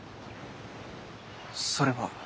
それは。